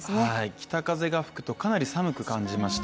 北風が吹くと、かなり寒く感じました。